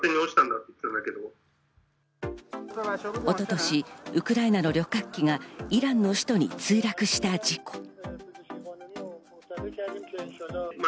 一昨年、ウクライナの旅客機がイランの首都に墜落した事故。